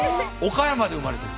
岡山で生まれている。